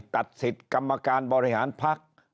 ตัดสิทธิ์กรรมการบริหารพัก